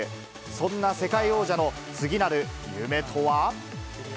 そんな世界王者の次なる夢とは？